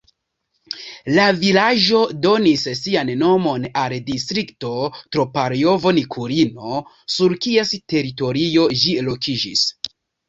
La vilaĝo donis sian nomon al distrikto Troparjovo-Nikulino, sur kies teritorio ĝi lokiĝis.